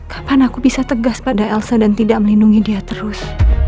kapan aku bisa tegas pada elsa dan tidak melindungi dia terus